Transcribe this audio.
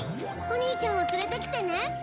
お兄ちゃんを連れてきてね。